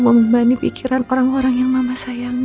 membebani pikiran orang orang yang mama sayangi